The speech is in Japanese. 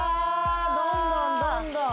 どんどんどんどん。